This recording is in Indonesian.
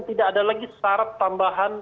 tidak ada lagi syarat tambahan